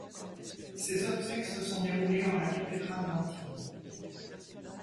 Ses obsèques se sont déroulées en la cathédrale d'Antibes.